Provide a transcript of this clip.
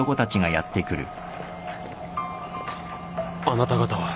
あなた方は。